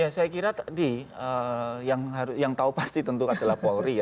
saya kira tadi yang tahu pasti tentu adalah polri